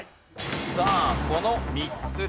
さあこの３つです。